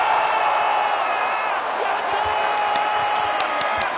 やったー！